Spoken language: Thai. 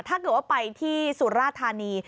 ถ้าเกิดว่าไปที่สุราธานี